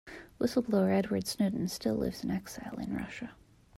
Whistle-blower Edward Snowden still lives in exile in Russia.